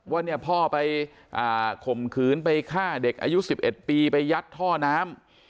ว่าเนี่ยพ่อไปข่มขืนไปฆ่าเด็กอายุ๑๑ปีไปยัดท่อน้ำ